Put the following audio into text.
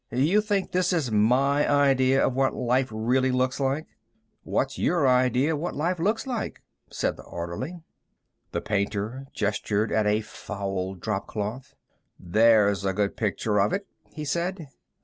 "You think this is my idea of what life really looks like?" "What's your idea of what life looks like?" said the orderly. The painter gestured at a foul dropcloth. "There's a good picture of it," he said.